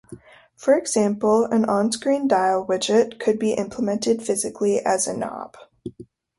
For example, an on-screen dial widget could be implemented physically as a knob.